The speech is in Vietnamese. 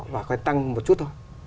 và có tăng một chút thôi